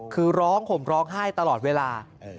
คือร้องห่มร้องไห้ตลอดเวลา